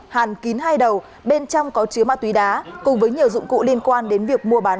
hàn kín hai đầu bên trong có chứa ma túy đá cùng với nhiều dụng cụ liên quan đến việc mua bán